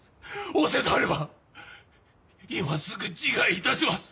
仰せとあれば今すぐ自害いたします。